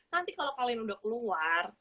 nanti kalau kalian udah keluar